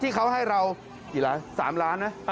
ที่เขาให้เรา๓ล้านนะ